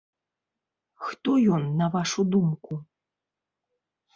Хто ён, на вашу думку?